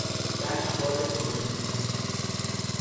بک بار کامل